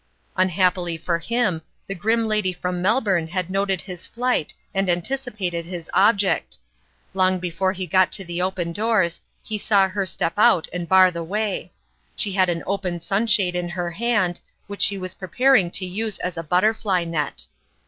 Unhappily for him, the grim lady from Mel bourne had noted his flight and anticipated its object. Long before he got to the open doors, he saw her step out and bar the way ; she had an open sunshade in her hand, which she was preparing to use as a butterfly net.